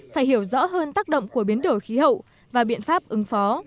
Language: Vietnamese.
phải hiểu rõ hơn tác động của biến đổi khí hậu và biện pháp ứng phó